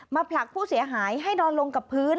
ผลักผู้เสียหายให้นอนลงกับพื้น